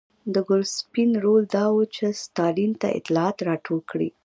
د ګوسپلین رول دا و چې ستالین ته اطلاعات راټول کړي